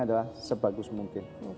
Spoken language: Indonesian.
adalah sebagus mungkin